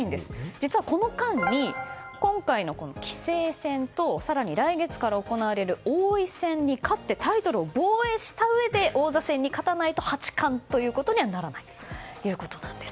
実は、この間に今回の棋聖戦と更に、来月から行われる王位戦に勝ってタイトルを防衛したうえで王座戦に勝たないと八冠にはならないということです。